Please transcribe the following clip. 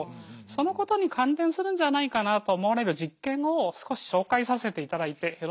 そのことに関連するんじゃないかなと思われる実験を少し紹介させていただいてよろしいでしょうか？